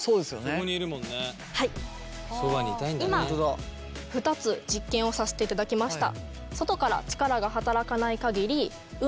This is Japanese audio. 今２つ実験をさせていただきました。